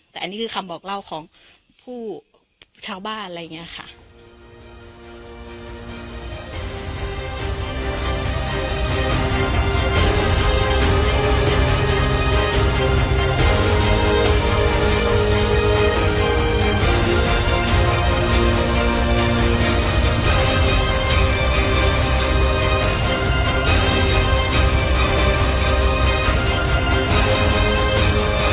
แต่อันนี้คือคำบอกเล่าของผู้ชาวบ้านอะไรอย่างนี้ค่ะ